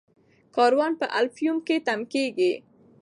کاروان په الفیوم کې تم کیږي.